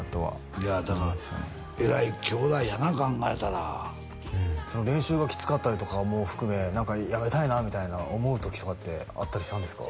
いやだからえらい兄弟やなあ考えたら練習がきつかったりとかも含め何かやめたいなみたいな思う時とかってあったりしたんですか？